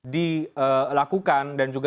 dilakukan dan juga